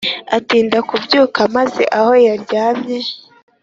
atinda kubyuka maze aho yararyame